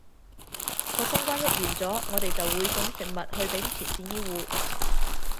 個封關一完咗，我哋就會送啲食物去畀啲前線醫護